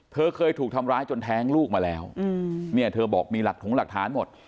เธอเคยถูกทำร้ายจนแท้งลูกมาแล้วเนี่ยเธอบอกมีหลักถงหลักฐานหมด